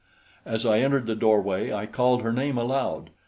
As I entered the doorway, I called her name aloud.